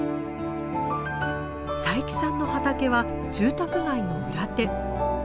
佐伯さんの畑は住宅街の裏手。